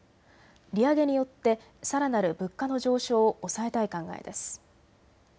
利上げによってさらなる物価の上昇を抑えたい考えです。